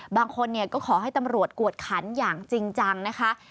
บางคนก็ขอให้ตำรวจกวดขันอย่างจริงจังนะคะ